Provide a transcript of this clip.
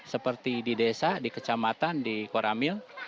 seperti di desa di kecamatan di koramil